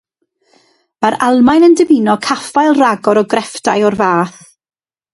Mae'r Almaen yn dymuno caffael rhagor o grefftau o'r fath.